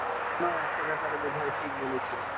জানো, একটা ব্যাপারে বোধহয় ঠিক বলেছিলে।